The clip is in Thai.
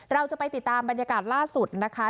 เราจะไปติดตามบรรยากาศล่าสุดนะคะ